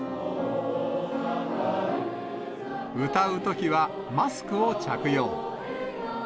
歌うときはマスクを着用。